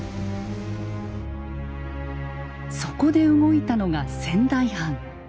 そこで動いたのが仙台藩。